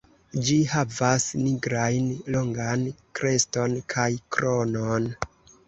Ĝi havas nigrajn longan kreston kaj kronon.